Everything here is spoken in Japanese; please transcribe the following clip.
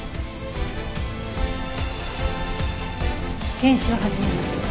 検視を始めます。